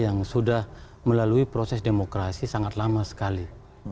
yang sudah melalui proses demokrasi sangat lama sekali